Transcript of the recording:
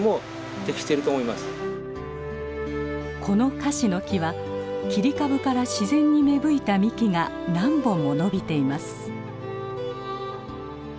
このカシの木は切り株から自然に芽吹いた幹が何本も伸びています。